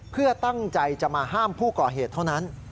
เพื่อตั้งใจจะมาห้ามผู้ก่อเหตุเท่านั้น